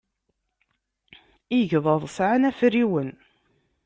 Igḍaḍ sɛan afriwen.